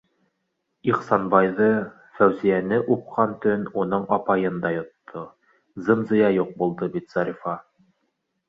Ихсанбайҙы, Фәүзиәне упҡан төн уның апайын да йотто, зым-зыя юҡ булды бит Зарифа.